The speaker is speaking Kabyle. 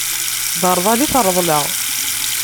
D arḍal i t-reḍleɣ.